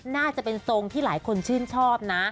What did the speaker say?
น่าจะเป็นทรงที่หลายคนชื่นชอบนะ